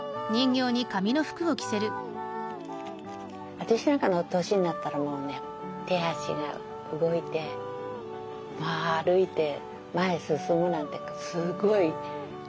私なんかの年になったらもうね手足が動いて歩いて前に進むなんてすごいありがたい。